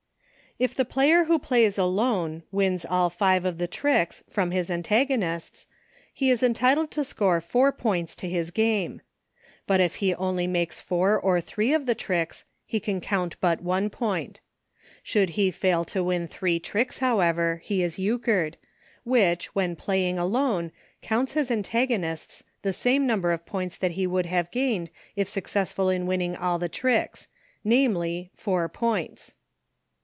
If the player who Plays Alone, wins all five of the tricks from his antagonists, he is entitled to score four points to his game. But if he only makes four or three of the tricks, 46 EUCHRE. he can count but one point. Should he fail to win three tricks, however, he is Euchred, which, when playing alone, counts his antago nists the same number of points that he would have gained if successful in winning all the tricks, namely, four points.